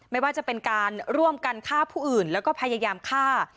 ไม่ว่าจะเป็นการร่วมกันฆ่าผู้อื่นแล้วก็พยายามฆ่า